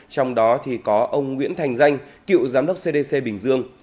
trong đó có ông nguyễn thành danh cựu giám đốc cdc bình dương